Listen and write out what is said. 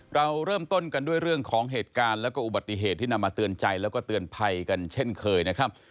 เราเริ่มต้นกันด้วยเรื่องของเหตุการณ์แล้วก็อุบัติเหตุที่นำมาเตือนใจแล้วก็เตือนภัยกันเช่นเคยนะครับ